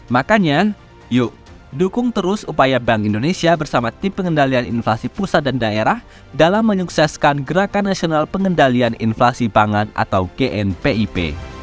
makanya yuk dukung terus upaya bank indonesia bersama tim pengendalian inflasi pusat dan daerah dalam menyukseskan gerakan nasional pengendalian inflasi pangan atau gnpip